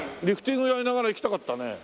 リフティングやりながら行きたかったね。